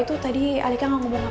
tentunya kita mau secret